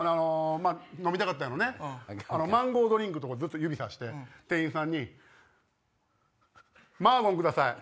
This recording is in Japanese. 飲みたかったんやろうねマンゴードリンク指さして店員さんに「マーゴンください」。